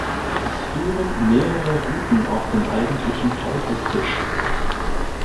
Es führen mehrere Routen auf den eigentlichen Teufelstisch.